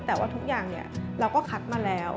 แต่ว่าทุกอย่างเราก็คัดมาแล้ว